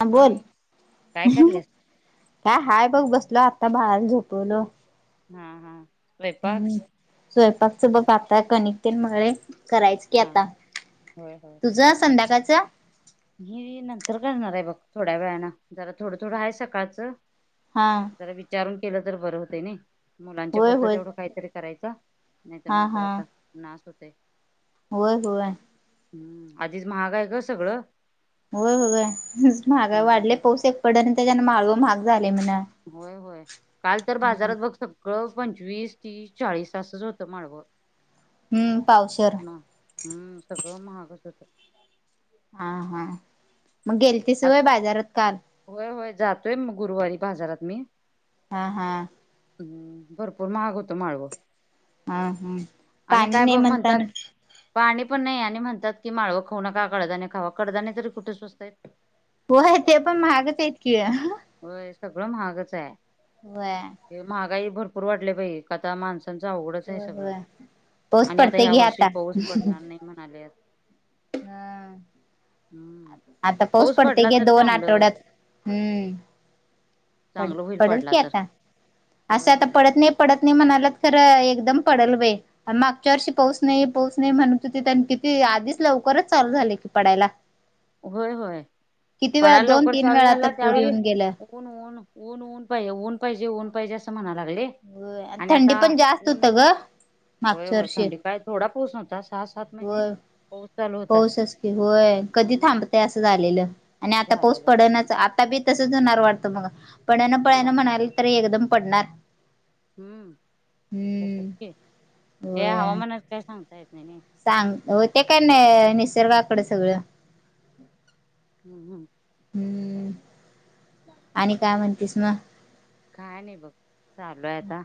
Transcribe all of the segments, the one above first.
हा बोल. काय करल्यास? का हाय बघ बस आता बाळाला झोपवलो. हा हा. स्वयपाक? स्वयंपाकच बग आता कणिकतेन मळय. करायच की हा आता. होय होय तुझ संध्याकाळच? मी नंतर करणार आहे बघ थोड्या वेळानं. जरा थोडं थोडं हाय सकाळचं हा जरा विचारून केलं तर बरं होतय नइ. मुलांच्या होय पुरतं होय तेवढं काहीतरी करायचं. नाही तर हा मग हा परत नास होतंय. होय होय. हम आधीच महाग हाय गं सगळं? व्हय व्हय. महागाइ महाग वाढले आहे पाऊस एक पड आणि त्याच्यान माळवं महाग झालय म्हण हा होय होय काल तर हा बाजारात बघ सगळं पंचवीस, तीस, चाळीस असंच होतं माळवं. हम्म पावशर. म हम्म सगळं महागस होतं. हा-हा मग गेलतीसं आ वय बाजारात काल? होय होय जातोय मग गुरुवारी बाजारात मी. हा हा. हम्म. भरपूर महाग होतं माळवं. हा हा आणि पाणी काय नाही बघ म्हणतात म्हणताना पानी पण नाही आणि म्हणतात की माळंवं खाऊ नका कडदाने खावा. कडदाने तरी कुठं स्वसतायत. होय ते पण महागच आहेत कि. होय सगळं महागचं हाय. वय. काही भरपूर वाडले बाई काता माणसं त्यांच आवघडच हाय होय सगळं होय पाऊस आणि आता पडते ह्या घे वर्षी पाऊस पडणार नाही म्हणाले हम हम्म आता पाऊस पडते पडला घे तर दोन चांगलं आठवड्यात. हम्म! पड चांगलं होईल पडेल पडला की तर आता. असं होय आता होय पडत नाही, पडत म्हणाल्यात खरं एकदम पडल बाई मागच्या वर्षी पाऊस नाही, पाऊस नाही म्हणत हुतीत खरं किती आधी लवकरच चालू झालंय की पडायला होय-होय किती वेळा पडायला दोन लवकर तीन चालू वेळा झाला तर पूर त्यावेळी येऊन गेलं हुन हुन ऊन ऊन पाहिे ऊन पाहिजे ऊन पाहिजे. असं म्हणत होय [unintelligible] आणि थंडी आता पण जास्त ऊण होतं ग होय मागच्या होय वर्षी थंडी काय थोडा पाऊस नव्हता. सहा सात महिने होय, पाऊस चालू होता पाऊच की होय कधी हम्म थांबते असं झालेलं. आणि आता पाऊस झालेलं हो पडणच आता बी तसच होणार वाटतं, मग पडण पडणा म्हणालोय तरी एकदम पडणार [unintelligible] हम्म होय हवामानात काय सांगता येत नाही नाय. सांग होते, काय ना निसर्गाकड सगळं. हम्म हम्म! [inaudible] आणि काय म्हणतीस मग काय नाही? बघ चालूय आता.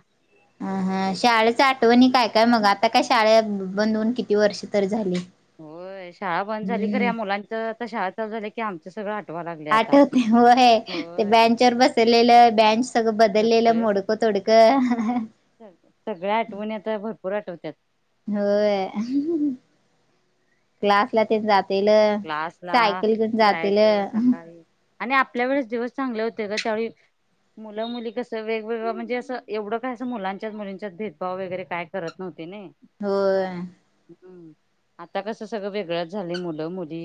ह हा शाळेचं आठवणी काय काय मग? आता काय शाळा बंद होऊन, किती वर्ष तर झाली. होय, शाळा बंद झाली खर हम्म या मुलांच आता शाळा चालू झाल्या, की आमचं सगळं आठ आठवते होय ते बँच वर बसलेलं बँच सगळं बदललेलं सगळे सग मोडक तोड [unintelligible] सगळ्या आठवणी आता भरपूर आठवत्यात. होय. क्लास ला तेन जातेल क्लासला सायकल घेऊन जातेल. जायचं सकाळी आणि आपल्या वेळेस दिवस चांगले होते ग त्यावेळी मुलं मुली कसं वेगवेगळं म्हणजे, असं एवढं काय असं? मुलांच्यात मुलींच्यात भेदभाव वगैरे काय करत नव्हततीत. नाही होय आता कसं सगळं वेगळंच झालंय मुलं मुली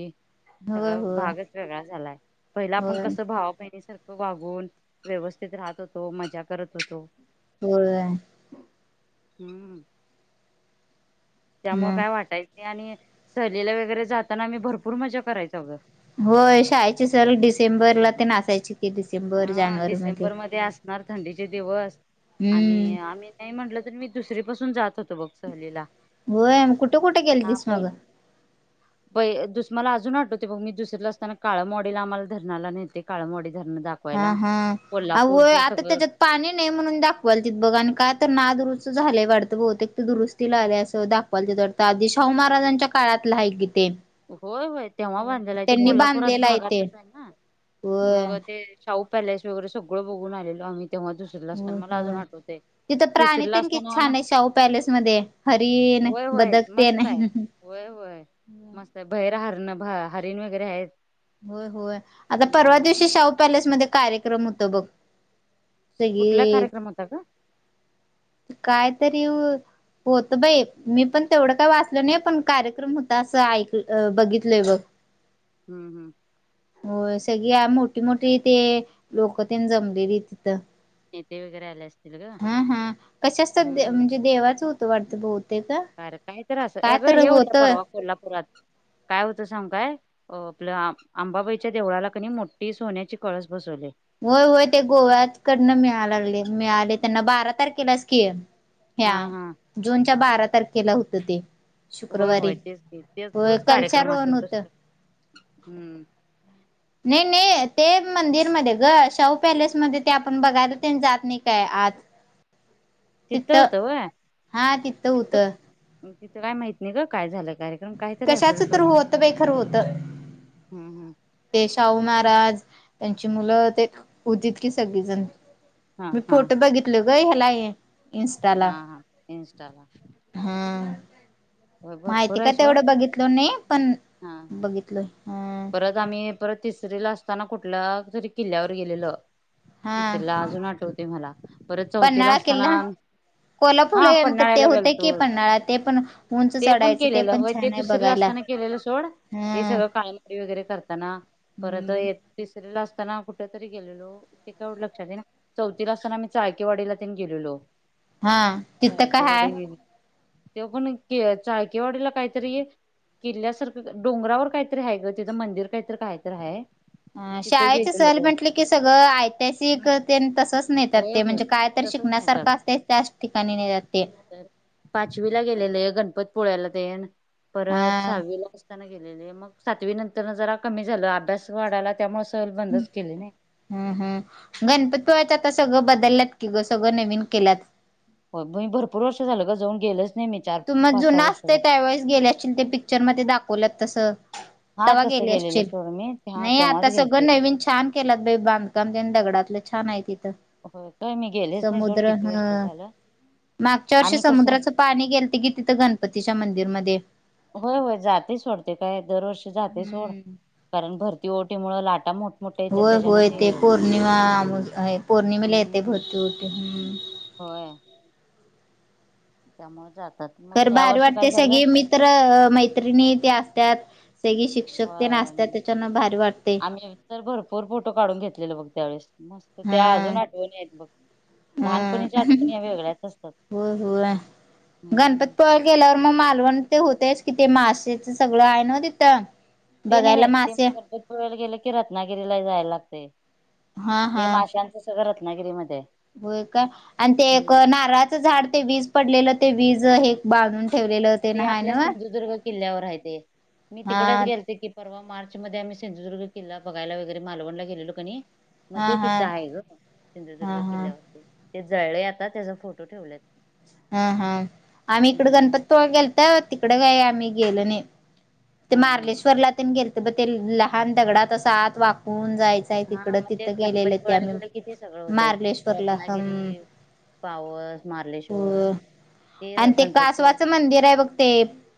होय सगळ होय भागच वेगळा झालाय पहिला आपण होय कस भावा बहिणी वागून व्यवस्थित राहत होतो. मजा करत होतो. होय. हम्! त्यामुळं मग काय वाटायचं नाही आणि सहलीला वगैरे जाताना आम्ही, भरपूर मजा करायचो अगं. होय, शाळेची सहल डिसेंबरला तेन असायची की डिसेंबर हा जानेवारी मध्ये. डिसेंबर असणार थंडीचे दिवस हम्म आणि आम्ही नाही म्हंटल तरी मी दुसरी पासून जात होतो. [unintelligible] सहलीला होय कुठे कुठे गेलतीस थांब मग एक पै दुस मला अजून आठवते बघ. मग मी दुसरी ला आसताना, काळ्ळमवाडीला आम्हाला धरणाला न्हेलते. काळ्ळमवाडीला. हा हा होय, आता सगळं त्याच्यात पाणी नाही म्हणून, दाखवालतीत बघ. आणि काय तर नादुरूस्त झालंय वाटतं बहुतेक ते दुरुस्तीला आले असं दाखवालतीत वाटते. आधी ते शाहू महाराजांच्या काळातल आहे कि ते. होय होय तेव्हा बांधलेलं आहे. ते त्यांनी कोल्हापुरात बांधलेलं ते भागातच आहे ना होय मग ते शाहू पॅलेस वगैरे सगळं बघून आलेलो. आम्ही तेव्हा दुसरीला असताना होय मला अजून होय आठवतय. तिथं प्राणी तिसरीला तेन किती असताना ना छान! आहेत. शाहू पॅलेस मध्ये हरीण होय होय बदक तेन. मस्त आहे होय होय! मस्त बाहेर हरण हरिण वगैरे आहेत. होय होय, आता परवा हम्म दिवशी शाहू पॅलेस मध्ये कार्यक्रम होत बघ. कुठला सगळे कार्यक्रम होता ग कायतरी होत बाई मी पण तेवढं काय वाचल नाही. पण कार्यक्रम होता असं ऐक बघितलयं बघ. हम्म हम्म! हो सगळी मोठी मोठी ते लोक तेन जमलेली तिथं. नेते वगैरे आले असततील. हा हा कशाचत म्हणजे, देवाचं होतं वाटत बहुतेक. कार्यक्रम काहीतरी असलं, काय अग तर हे होतं परवा कोल्हापुरात काय होतं सांगु काय? आपलं आंबाबाईच्या देवळाला कनी मोठी सोन्याची कळस बसवले. होय होय, ते गोव्याकडनं मिळा लागले मिळालें, त्यांना बारा तारखेलाच की ह्या हा हा जूनच्या बारा तारखेला होतं ते. होय शुक्रवारी होय तेच ते तेच होय तोच कार्यक्रम कलशारोहण असल होतं दुसरा हम्म! नाही नाही ते मंदिरमध्ये ग शाहू पॅलेसमध्ये ते आपण बघायला, ते जात नाही काय आत. तीत तिथं होत होय. हा तिथं होतं काय माहित नाही ग काय झालंय कार्यक्रम काहीतरी असेल कशाच सोड तर होतं बाई खरं होतं हम्म हम् ते शाहू महाराज त्यांची मुलं ते होतीत की सगळीजण हा मी हा फोटो बघितलो ग ह्याला हे हा इन्स्टाला हा. इंस्टाला हम होय माहिती भरपूर काय आहे सोड. तेवढं बघितलो नाही पण हा हा बघितलोय हा परत आम्ही परत तिसरी ला असताना कुठल्या तरी किल्ल्यावर गेलेलो हा तिसरीला अजून आठवते मला परत चौथीला पन्हाळा असताना किल्ला हा कोल्हापूरला ते पन्हाळ्याला होते की गेलतो. पन्हाळा ते पण उंच ते पण चढायचं केलेल पण होय ते छान आहे दुसरीला बघायला असताना केलेल सोड ते हम्म सगळ [unintelligible] वगैरे करताना परत हम्म येत असताना कुठ तरी गेलेलो ते तेवढ लक्षात येईना चौथीला असताना मी चाळकेवाडीला तेन गेलेलो हा तिथ काय हाय तेव पण चाळकेवाडीला काहीतरी किल्ल्यासारख डोंगरावर काहीतरी आहे ग तिथ मंदिर काहीतरी काहीतर आहे मग तिथं शाळेचे सहल गेलेलो म्हटले की सगळं ऐतिहासिक तेन तसच नेतात होय ते होय म्हणजे कायतरी तसच शिकण्यासारखा असतय त्याच ठिकाणी नेत्यात ते पाचवी ला गेलेले गणपती पूळ्याला तेन परत हा सहावी ला गेलेल मग सातवी नंतर जरा कमी झालेले अभ्यास वाढायला त्यामुळे सहल हम बंदच केली नाही. हम् हम् गणपती पुळ्याला कस सगळ बदलत की ग सगळ नवीन केल्यात हो बहिण भरपूर वर्ष झाल ग जाऊन गेलच नाही मी चार तु मग पाच सहा जुना वर्ष असते झालं. त्यावेळेस गेल्याशील ते पिक्चर मध्ये दाखवल्यात तस हा तस गेलेल सोड मी हा नाही आता तेव्हाच सगळ गेलते. नवीन छान केलात बाई बांधकाम तेन दगडातल छान आहे ति होय काय मी गेलेच नाही सोड समुद्र किती वर्ष हं झालं मागच्या वर्षी आम्ही कसं समुद्राच पाणी गेलत की तिथ गणपतीच्या मंदिरमध्ये होय होय जाते सोडते काय दरवर्षी जाते सोड हम्म कारण भरती ओटी मुळ लाट - होय होय ते पौर्णिमा अमावस पौर्णिमेला येते हम्म भरती ओटी हम् होय त्यामुळे जातय खर बाहेर वाटते सगळी मित्र मैत्रिणी ते असतात सगळी शिक्षक तेन होय असत्यात त्याच्यान भारी वाटते आम्ही तर भरपूर फोटो काढून घेतलेले बघ त्यावेळेस मस्त त्या अजून आठवणी आहेत बघ लहानपणीच्या हम् आठवणी या वेगळ्याच असतात होय होय गणपती हम्म पूळ्याला गेल्यावर मग मालवण ते होतेयच कि ते मासेच सगळ आहे ना तिथ ते न्हवे ते गणपती पुळ्याला गेले की रत्नागिरी ला जायला लागतय हा हे हा माशांच सगळ रत्नागिरी मध्ये हाय होय का आणि ते एक नारळाच झाड ते वीज पडलेल ते वीज हे बांधून ठेवलेलं ते ना हाय आपल्या नव्ह सिंधुदुर्ग किल्ल्यावर हायते मी हा तिकडेच गेलते की परवा मार्च मध्ये आम्ही सिंधुदुर्ग किल्ला बघायला वगैरे मालवणला गेलो कणी मग हा ते हा तिथ आहे ग हा सिंधुदुर्ग हा किल्ल्यावरती ते जळळय आता त्याचा फोटो ठेवलेत हा हा आम्ही इकड हम्म गणपतीपुळ्याला गेलतो तिकड काय आम्ही गेलो नाही ते हा हा मार्लेश्वरला तेन गेलतो ब ते लहान दगडात अस आत वाकून जायचय हा तिकड मग ते तिथ गेलेल ते गणपतीपुळ्याला आम्ही गेलं कि ते सगळं होतय. मार्लेश्वरला हम रत्नागिरी, पावस मारलेश्वर हो आणि ते कासवाच मंदिर आहे बघ ते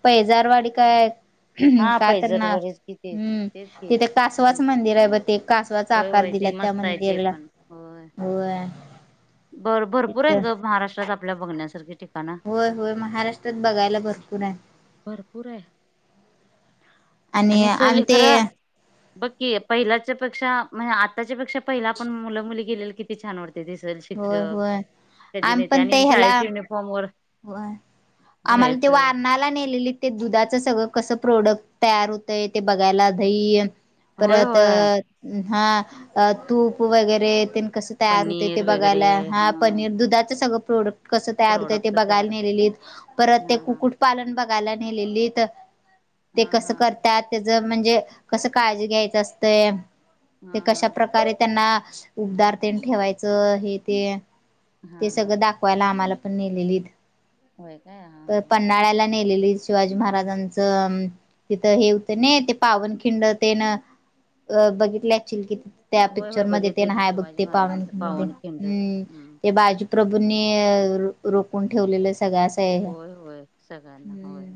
पैजारवाडी काय - हा का तर ना पैजरवरच कि तेच हम्म तेच की. तिथे कासवाच मंदिर आहे ब ते कासवाचा होय आकार होय दिला ते त्या मस्त आहे ते मंदिरला पण होय. होय. बर भरपूर आहेत तिथं ग महाराष्ट्रात आपल्या बघण्यासारखे ठी होय, होय, महाराष्ट्रात बघायला भरपूर आहे. भरपूर आहे. आणि आम सहली ते खरं बघ कि पहिल्याच्या पेक्षा, म्हणे आत्ताच्या पेक्षा पहिला आपण मुल मुली गेलेल किती छान वाटत दिसल होय शिक्षक होय कधी नही त्याने बी शाळेचे युनिफॉर्म वर व्हयं आम्हाला ते जायचं वारणाला नेल ते दुधाच सगळं कस प्रोडक्ट तयार होतंय ते बघायला धही. होय परत होय हा तूप वगैरे कस तयार होतय ते पनीर वगैरे बघायला हा पनीर दुधाचं सगळ प्रोडक्ट कसं तयार होतय प्रोडक्ट बघायला तयार कर नेलेलीत परत ते हा हा कुक्कुट पालन बघायला नेलेलीत. ते हा कसं हा करतात त्याच म्हणजे कसं काळजी घ्यायचं असतंय ते हा हा कशा प्रकारे त्यांना उबदारतेन ठेवायचं हे ते ते हा हा सगळं दाखवायला आम्हाला पण नेलेलीत होय काय हा हा पन्हाळ्याला नेलेली शिवाजी महाराजांचं तिथं हे होतं न ते पावन खिंड तेन अ बघितलं ऍक्चुल कि. त्या होय होय पिक्चर मध्ये ते बघितले की न्हा य बघ शिवाजी ते पावन महाराजांचं मध्ये पावनखिंड हम्म ते हम्म बाजीप्रभूंनी रोखून ठेवलेल स होय होय सगळ्यांना होय. हम्म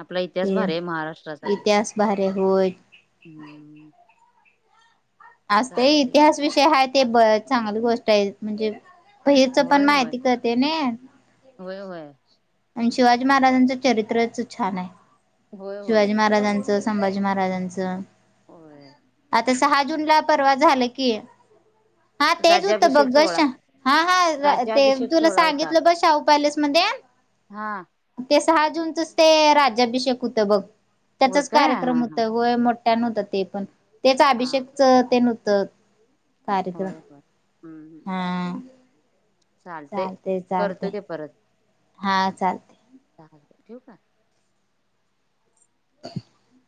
आपला इतिहास ते भारी आहे महाराष्ट्राचा इतिहास भारी होय हम. असत इतिहास विषय हाय ते ब चांगली गोष्ट आहे म्हणजे. भईरच हच पण होय होय माहिती करते नई. होय होय आणि शिवाजी महाराजांचं चरित्रच छान आहे. होय होय शिवाजी महाराजांचं मस्त. संभाजी महाराजांचं. होय आता सहा जून ला परवा झाल कि. हा तेच होतं राज्याभिषेक बघ सोहळा शा हा हा ते राज्याभिषेक तुला सोहळा सांगितलं ब शाहू पॅलेस मध्ये. हां. ते सहा जूनचच ते राज्याभिषेक होत बघ. होय त्याचाच काय हा कार्यक्रम होत हा. व्हय मोठ्या नवत ते पण तेच हा. अभिषेक ते न त. होय, होय. हम्म हा. चालतय, करतो चालतय. की हा चालतय. ठीवू का. [inaudible]